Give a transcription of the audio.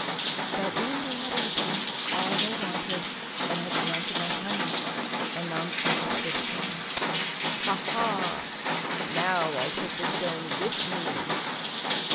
But when they had eaten all they wanted, and had drunk enough honey, Anansi shouted again: — "Ha! ha! Now I'll take the Stone with me!"